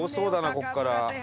ここから。